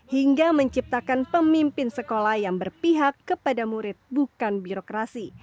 hingga menciptakan pemimpin sekolah yang berpihak kepada murid bukan birokrasi